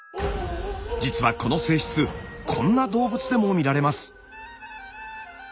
実はこの性質こんな動物でも見られます。